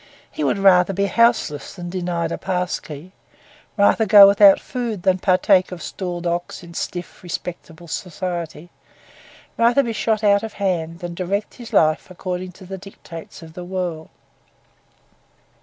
He would rather be houseless than denied a pass key; rather go without food than partake of stalled ox in stiff, respectable society; rather be shot out of hand than direct his life according to the dictates of the world.